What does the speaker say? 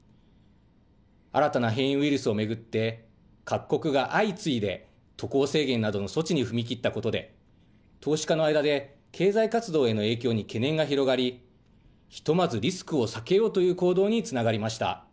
新たな変異ウイルスを巡って、各国が相次いで渡航制限などの措置に踏み切ったことで、投資家の間で、経済活動への影響に懸念が広がり、ひとまずリスクを避けようという行動につながりました。